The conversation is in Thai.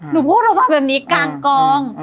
พูดออกมาแบบนี้กลางกอง